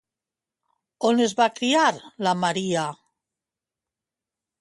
On es va criar, la Maria?